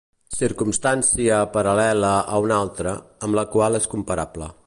Circumstància paral·lela a una altra, amb la qual és comparable.